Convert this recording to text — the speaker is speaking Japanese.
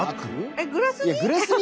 えっグラスに！？